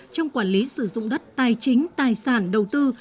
trong quản lý sử dụng đất tài chính tài sản đầu tư